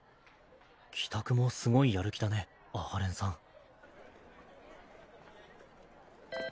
帰宅もすごいやる気だね阿波連さん。